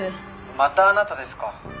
「またあなたですか」